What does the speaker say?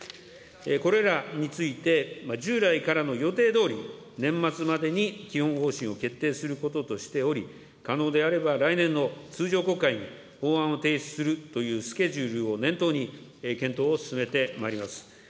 これらについて、従来からの予定どおり、年末までに基本方針を決定することとしており、可能であれば、来年の通常国会に法案を提出するというスケジュールを念頭に、検討を進めてまいります。